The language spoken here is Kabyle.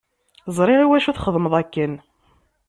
Ẓriɣ iwacu txedmeḍ akken.